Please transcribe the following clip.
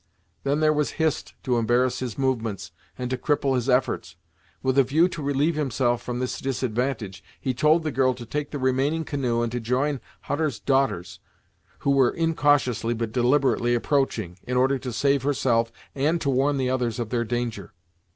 Then there was Hist to embarrass his movements, and to cripple his efforts. With a view to relieve himself from this disadvantage, he told the girl to take the remaining canoe and to join Hutter's daughters, who were incautiously but deliberately approaching, in order to save herself, and to warn the others of their danger.